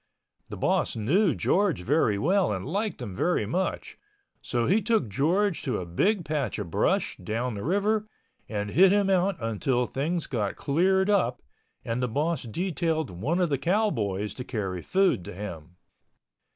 The boss knew George very well and liked him very much, so he took George to a big patch of brush down the river and hid him out until things got cleared up and the boss detailed one of the cowboys to carry food to him.